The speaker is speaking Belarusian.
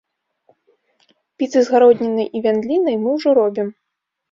Піцы з гароднінай і вяндлінай мы ўжо робім.